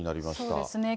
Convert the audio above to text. そうですね。